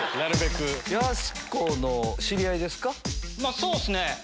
そうっすね。